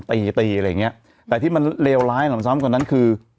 ตีตีอะไรอย่างเงี้ยแต่ที่มันเลวร้ายหนำซ้ำกว่านั้นคือ